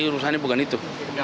dki rusahnya bukan itu